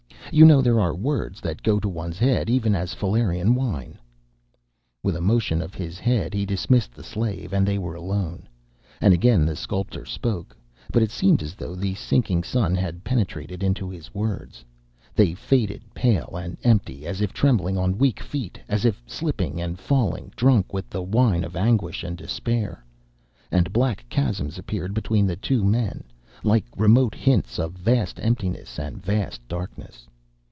You know there are words that go to one's head even as Falernian wine." With a motion of his head he dismissed the slave, and they were alone. And again the sculptor spoke, but it seemed as though the sinking sun had penetrated into his words. They faded, pale and empty, as if trembling on weak feet, as if slipping and falling, drunk with the wine of anguish and despair. And black chasms appeared between the two men like remote hints of vast emptiness and vast darkness.